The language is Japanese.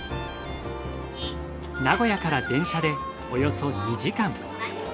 名古屋から電車でおよそ２時間。